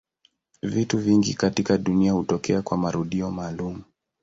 Vitu vingi katika dunia hutokea kwa marudio maalumu.